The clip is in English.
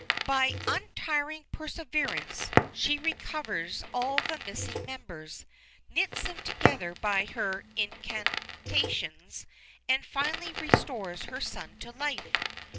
"By untiring perseverance she recovers all the missing members, knits them together by her incantations, and finally restores her son to life.